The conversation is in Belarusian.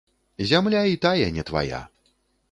Зямля і тая не твая.